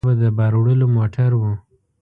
ښايي دا به د بار وړلو موټر و.